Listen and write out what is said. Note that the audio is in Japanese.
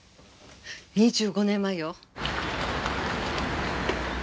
２５年前よ。